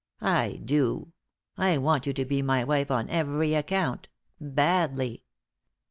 I do ; I want you to be my wife on every account—badly.